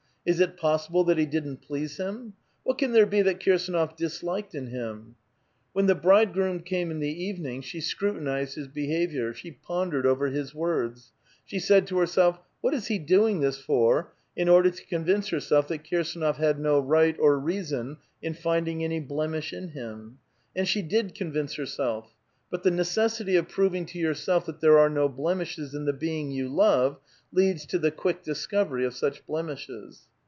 Is it possible that he didn't please him? What can there be that Kirsdnof disliked in him?" When the '^ bridegroom" came in the evening, she scrutinized his behavior, she pondered over his words. She said to herself, '^ What is he doing this for," in order to convince herself that Kirsdnof had no right or reason in finding any blemish in him. And she did convince herself; but the necessity of proving to your self that there are no blemishes in the bein^; you love leads to the quick discovery of such blemishes.